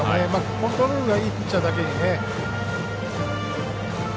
コントロールがいいピッチャーだけにね。